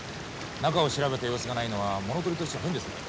中を調べた様子がないのは物取りとしちゃ変ですね。